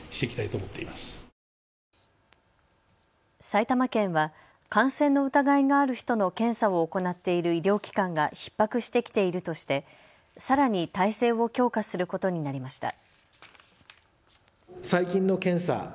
埼玉県は感染の疑いがある人の検査を行っている医療機関がひっ迫してきているとしてさらに体制を強化することになりました。